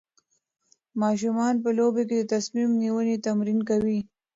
ماشومان په لوبو کې د تصمیم نیونې تمرین کوي.